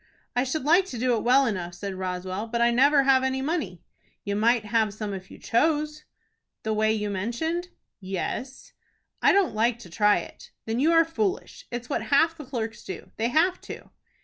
"I should like to do it well enough," said Roswell, "but I never have any money." "You might have some if you chose." "The way you mentioned?" "Yes." "I don't like to try it." "Then you are foolish. It's what half the clerks do. They have to."